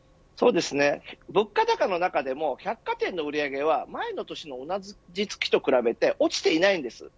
物価高の中でも百貨店の売り上げは前の年の同じ月と比べて落ちていないんです。